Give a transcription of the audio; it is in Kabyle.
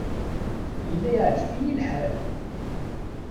Yella yeɛjeb-iyi lḥal.